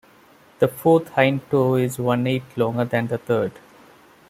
The fourth hind toe is one-eighth longer than the third.